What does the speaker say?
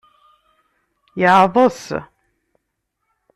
Yeɛḍes.